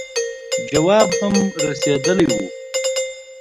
جواب هم رسېدلی وو.